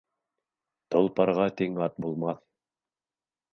Толпарға тиң ат булмаҫ